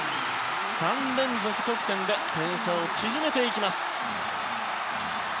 ３連続得点で点差を縮めていきます。